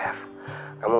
kamu ngerti gak